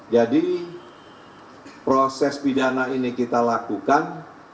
jadi proses pidana ini kita lakukan